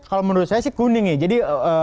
kalau menurut saya sih kuning ya jadi